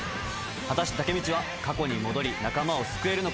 果たしてタケミチは過去に戻り仲間を救えるのか？